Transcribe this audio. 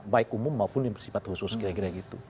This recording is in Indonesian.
baik umum maupun yang bersifat khusus kira kira gitu